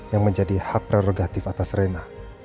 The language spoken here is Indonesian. yang menjadi hak negatif atas rina